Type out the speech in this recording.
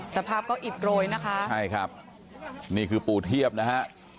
สภาพก็อิดโรยนะคะใช่ครับนี่คือปู่เทียบนะฮะ